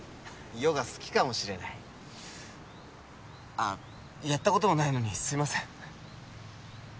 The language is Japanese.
ヨガ好きかもしれないあっやったこともないのにすいません